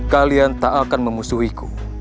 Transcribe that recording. kalian tak akan memusuhiku